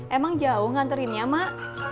emang jauh nganterinnya mak